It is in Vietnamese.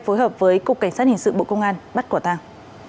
bộ cảnh sát hình sự bộ công an bắt quả tàng